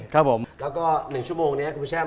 แล้วก็๑ชั่วโมงนี้ครับคุณแช่ม